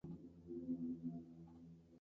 La pareja tiene tres hijos.